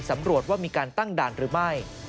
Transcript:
ตำรวจว่ามีการตั้งด่านหรือไม่